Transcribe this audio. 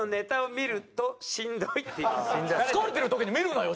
疲れてる時に見るなよ！